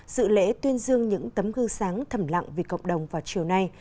dự lễ tuyên dương những tấm gương sáng thầm lặng vì cộng đồng vào chiều nay